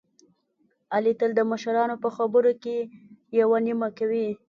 علي تل د مشرانو په خبره کې یوه نیمه کوي.